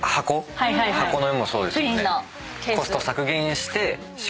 箱のもそうですよね。